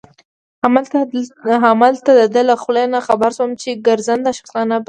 همالته د ده له خولې نه خبر شوم چې ګرځنده اشپزخانه به.